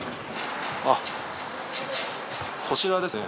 あっこちらですね。